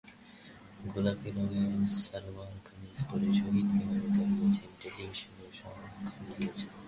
গোলাপি রঙের সালোয়ার কামিজ পরে শহীদ মিনারে দাঁড়িয়েছেন, টেলিভিশনে সাক্ষাৎকার দিয়েছেন।